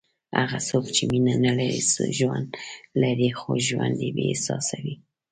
هغه څوک چې مینه نه لري، ژوند لري خو ژوند یې بېاحساسه وي.